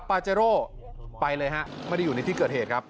ปาเจโร่ไปเลยฮะไม่ได้อยู่ในที่เกิดเหตุครับ